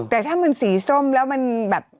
แต่ถ้ามันสีส้มแล้วมันแบบ